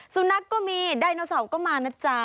สุนัขก็มีไดโนเสาร์ก็มานะจ๊ะ